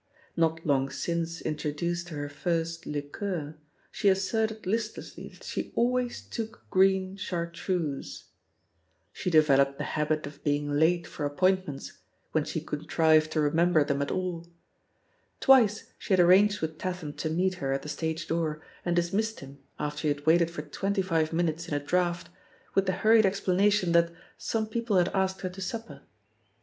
Not long since intro^ duced to her first liqueur, she asserted listlessly that shQ "always took green chartrooce." She CraE POSITION OF PEGGY HABPER 885 deyeloped the habit of being late for appoint ments — ^when she contrived to remember them at mlL Twice she had arranged with Tatham to meet her at the stage door, and dismissed him» after he had waited for twenty five minutes in a draught, with the hurried explanation that '"some people had asked her to supper."